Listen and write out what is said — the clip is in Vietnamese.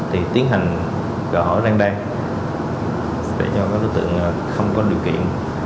thì tiến hành gọi hỏi răng đan để cho các đối tượng không có điều kiện